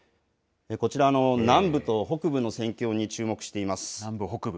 こちら、南部と北部の戦況に注目しています。